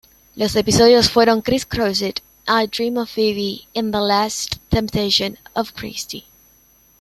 Los episodios fueron "Chris-Crossed", "I Dream of Phoebe" y "The Last Temptation of Christy".